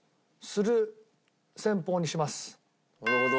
なるほど。